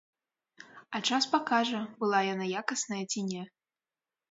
А час пакажа, была яна якасная, ці не.